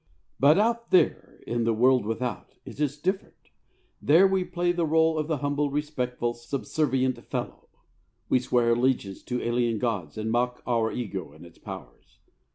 But out there in the world without it is different. There we play the role of the humble, respectful, subservient fellow. We swear allegiance to alien gods and mock our ego and its powers.